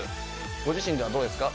ご自身ではどうですか？